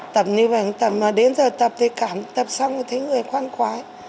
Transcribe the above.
tập như vậy không tập mà đến giờ tập thì cảm tập xong thấy người khoan khoái